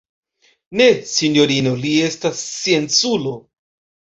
Ne, sinjorino: li estas scienculo.